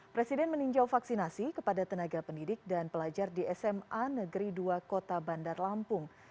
presiden meninjau vaksinasi kepada tenaga pendidik dan pelajar di sma negeri dua kota bandar lampung